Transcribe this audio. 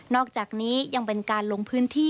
อกจากนี้ยังเป็นการลงพื้นที่